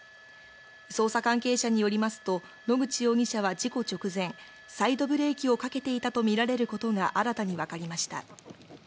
捜査関係者によりますと、野口容疑者は事故直前、サイドブレーキをかけていたと見られることが、新たに分かりました。